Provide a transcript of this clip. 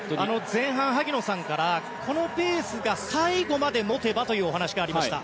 前半、萩野さんからこのペースが最後まで持てばというお話がありました。